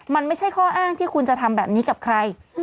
มันไม่ใช่ข้ออ้างที่คุณจะทำแบบนี้กับใคร